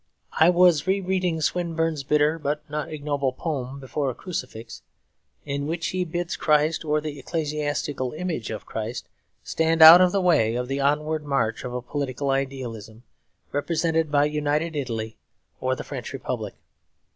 I was re reading Swinburne's bitter but not ignoble poem, 'Before a Crucifix,' in which he bids Christ, or the ecclesiastical image of Christ, stand out of the way of the onward march of a political idealism represented by United Italy or the French Republic.